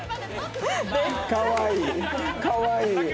かわいいかわいい。